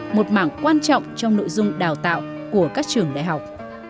một mảng quan trọng trong nội dung đào tạo của các trường đại học